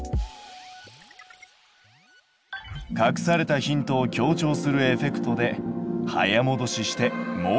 隠されたヒントを強調するエフェクトで早もどししてもう一度見てみよう。